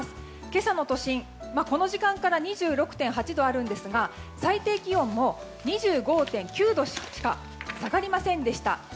今朝の都心、この時間から２６．８度ありますが最低気温も２５．９度までにしか下がりませんでした。